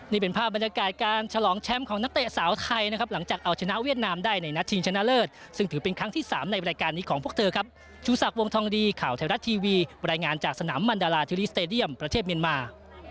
นี่เป็นภาพบรรยากาศการ